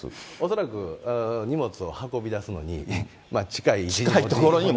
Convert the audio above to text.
恐らく荷物を運び出すのに、近い所に。